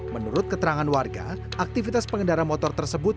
menurut keterangan warga aktivitas pengendara motor tersebut